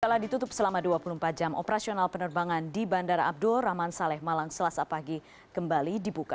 setelah ditutup selama dua puluh empat jam operasional penerbangan di bandara abdul rahman saleh malang selasa pagi kembali dibuka